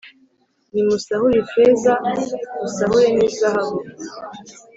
Nimusahure ifeza musahure n’izahabu